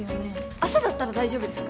朝だったら大丈夫ですか？